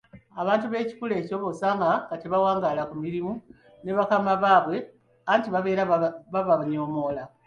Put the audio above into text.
Abantu ab'ekikula ekyo bosanga nga tebawangaala ku mirimu ne bakama baabwe anti babeera babanyoomoola,